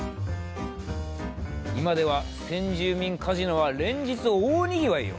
今では先住民カジノは連日大にぎわいよ。